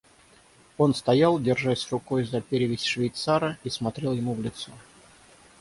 Он стоял, держась рукой за перевязь швейцара, и смотрел ему в лицо.